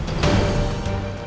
saya mau pergi